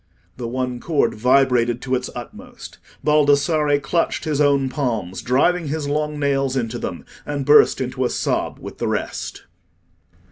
The one cord vibrated to its utmost. Baldassarre clutched his own palms, driving his long nails into them, and burst into a sob with the rest.